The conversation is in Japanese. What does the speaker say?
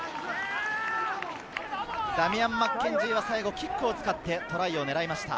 ダミアン・マッケンジーが最後、キックを使ってトライを狙いました。